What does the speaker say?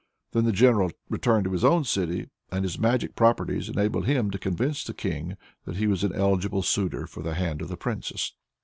Then the general returned to his own city, and his magic properties enabled him to convince the king that he was an eligible suitor for the hand of the Princess.